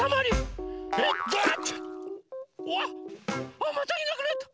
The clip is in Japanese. あっまたいなくなった！